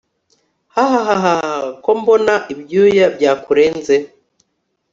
hahahaha ko mbona ibyuya byakurenze